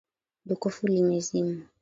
Jokofu limezimwa